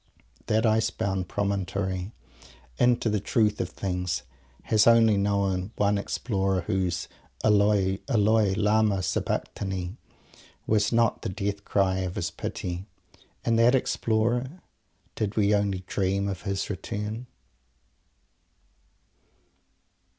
That ice bound Promontory into the Truth of Things has only known one Explorer whose "Eloi, Eloi Lama Sabachthani" was not the death cry of his Pity. And that Explorer did we only dream of his Return?